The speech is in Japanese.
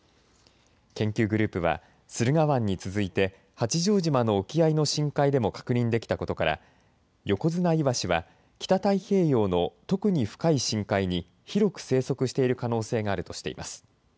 研究グループは駿河湾に続いて八丈島の沖合の深海でも確認できたことからヨコヅナイワシは北太平洋の特に深い深海に広く生息している可能性があるとしています。